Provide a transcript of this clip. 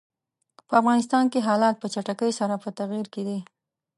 په افغانستان کې حالات په چټکۍ سره په تغییر کې دي.